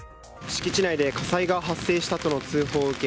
敷地内で火災が発生したとの通報を受け